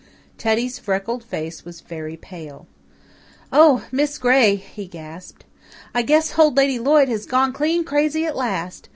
Teddy's freckled face was very pale. "Oh, Miss Gray!" he gasped. "I guess Old Lady Lloyd has gone clean crazy at last.